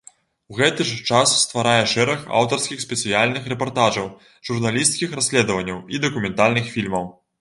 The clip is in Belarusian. У гэты ж час стварае шэраг аўтарскіх спецыяльных рэпартажаў, журналісцкіх расследаванняў і дакументальных фільмаў.